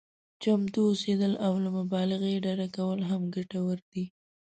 چمتو اوسېدل او له مبالغې ډډه کول هم ګټور دي.